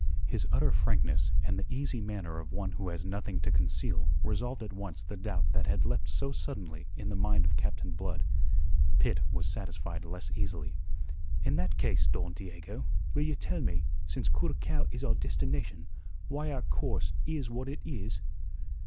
His utter frankness, and the easy manner of one who has nothing to conceal resolved at once the doubt that had leapt so suddenly in the mind of Captain Blood. Pitt was satisfied less easily. "In that case, Don Diego, will you tell me, since Curacao is our destination, why our course is what it is?"